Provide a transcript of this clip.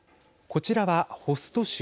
こちらは、ホスト州。